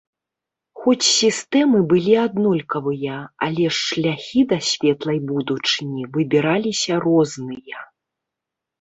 Хоць сістэмы былі аднолькавыя, але ж шляхі да светлай будучыні выбіраліся розныя.